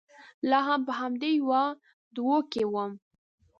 لا هم په همدې يوه دوه کې ووم.